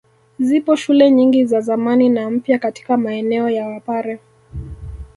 Zipo shule nyingi za zamani na mpya katika maeneo ya wapare